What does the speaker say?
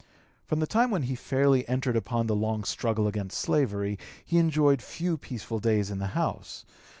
From the time when he fairly entered upon the long struggle against slavery, he enjoyed few peaceful days in the House.